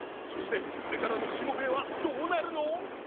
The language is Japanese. そしてこれからの「しもべえ」はどうなるの？